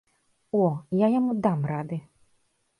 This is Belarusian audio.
О, я яму дам рады!